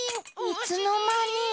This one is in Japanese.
いつのまに。